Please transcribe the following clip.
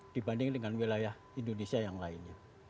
dibanding dengan wilayah indonesia yang lainnya